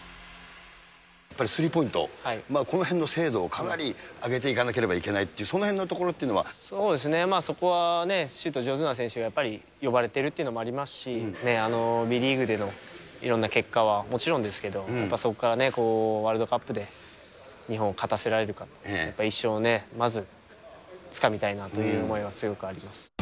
やっぱりスリーポイント、このへんの精度をかなり上げていかなければいけないっていう、そうですね、そこはね、シュート上手な選手がやっぱり呼ばれてるっていうのもありますし、Ｂリーグでのいろんな結果はもちろんですけど、やっぱりそこからワールドカップで日本を勝たせられるか、１勝をまずつかみたいなという思いは強くあります。